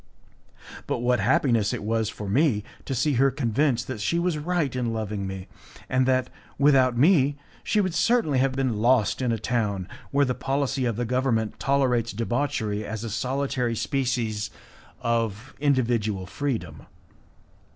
But what happiness it was for me to see her convinced that she was right in loving me, and that, without me, she would certainly have been lost in a town where the policy of the government tolerates debauchery as a solitary species of individual freedom.